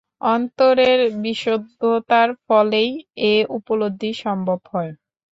অন্তরের বিশুদ্ধতার ফলেই এ-উপলব্ধি সম্ভব হয়।